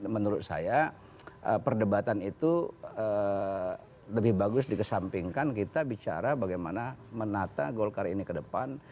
menurut saya perdebatan itu lebih bagus dikesampingkan kita bicara bagaimana menata golkar ini ke depan